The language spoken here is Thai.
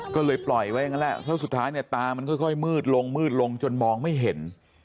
ก็เลยปล่อยไว้อย่างนั้นแหละแล้วสุดท้ายเนี่ยตามันค่อยมืดลงมืดลงจนมองไม่เห็น